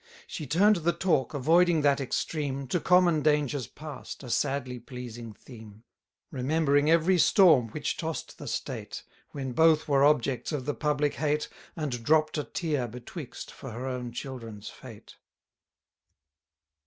She turn'd the talk, avoiding that extreme, To common dangers past, a sadly pleasing theme; Remembering every storm which toss'd the state, When both were objects of the public hate, And dropp'd a tear betwixt for her own children's fate.